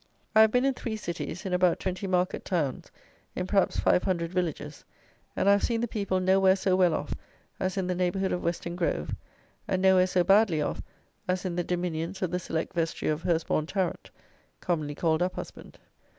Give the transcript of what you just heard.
I have been in three cities, in about twenty market towns, in perhaps five hundred villages; and I have seen the people nowhere so well off as in the neighbourhood of Weston Grove, and nowhere so badly off as in the dominions of the Select Vestry of Hurstbourn Tarrant, commonly called Uphusband.